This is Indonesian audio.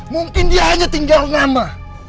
mungkin dia hanya tinggal nama